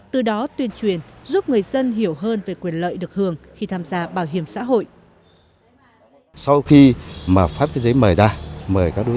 từ đó tuyên truyền giúp người dân hiểu hơn về quyền lợi được hưởng khi tham gia bảo hiểm xã hội